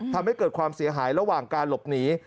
ทำให้เกิดความเสียหายระหว่างการหลบหนี